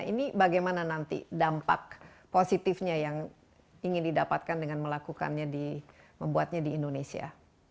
ini bagaimana nanti dampak positifnya yang ingin didapatkan dengan melakukannya di membuatnya di indonesia